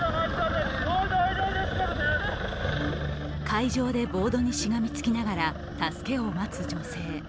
海上でボードにしがみつきながら助けを待つ女性。